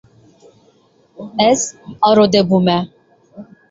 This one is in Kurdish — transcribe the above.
Ez arode bûme.